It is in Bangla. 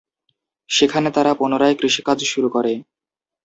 সেখানে তারা পুনরায় কৃষিকাজ শুরু করে।